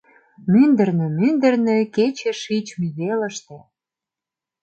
Мӱндырнӧ, мӱндырнӧ, кече шичме велыште!